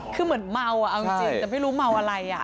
คือเหมือนเมาเอาจริงแต่ไม่รู้เมาอะไร